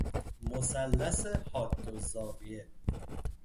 مثلث حادالزاویه